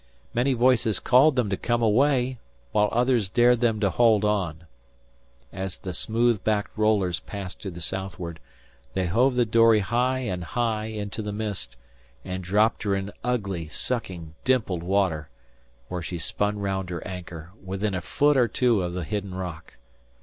Many voices called them to come away, while others dared them to hold on. As the smooth backed rollers passed to the southward, they hove the dory high and high into the mist, and dropped her in ugly, sucking, dimpled water, where she spun round her anchor, within a foot or two of the hidden rock.